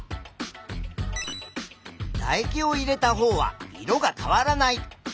だ液を入れたほうは色が変わらない。